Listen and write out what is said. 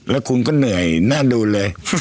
แล้วคุณก็เหนื่อยน่าดูเลย